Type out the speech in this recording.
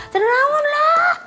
tadi nahun lah